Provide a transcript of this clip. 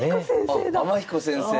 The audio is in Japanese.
あっ天彦先生だ！